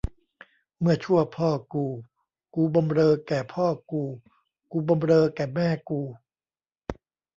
เมื่อชั่วพ่อกู กูบำเรอแก่พ่อกู กูบำเรอแก่แม่กู